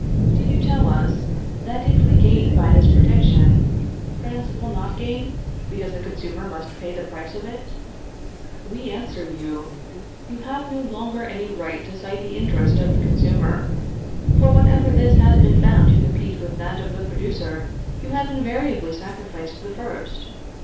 "Do you tell us, that if we gain by this protection, France will not gain, because the consumer must pay the price of it? "We answer you: "You have no longer any right to cite the interest of the consumer. For whenever this has been found to compete with that of the producer, you have invariably sacrificed the first.